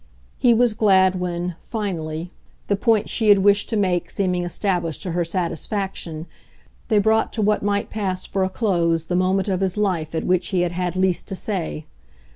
He was glad when, finally the point she had wished to make seeming established to her satisfaction they brought to what might pass for a close the moment of his life at which he had had least to say.